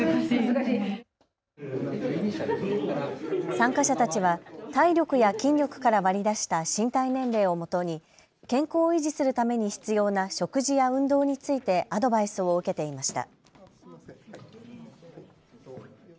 参加者たちは体力や筋力から割り出した身体年齢をもとに健康を維持するために必要な食事や運動についてアドバイスを受けていました。